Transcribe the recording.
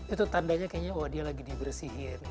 itu tandanya kayaknya wah dia lagi dibersihin